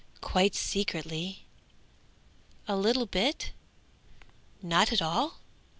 Quite secretly? A little bit? Not at all?"